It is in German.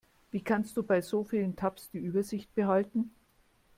Wie kannst du bei so vielen Tabs die Übersicht behalten?